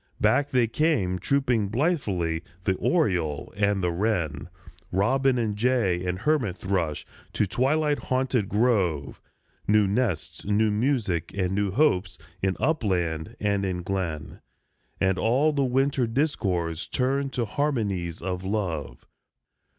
Back they came trooping blithely, the oriole and the wren, Robin and jay and hermit thrush, to twilight haunted grove; New nests, new music, and new hopes, in upland and in glen, And all the winter discords turned to harmonies of love.